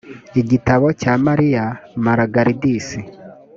igitabo cya maria malagardis